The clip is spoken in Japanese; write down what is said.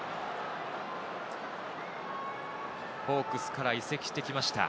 ホークスから移籍してきました、